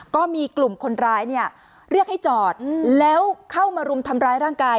ก็มีกลุ่มคนร้ายเนี่ยเรียกให้จอดแล้วเข้ามารุมทำร้ายร่างกาย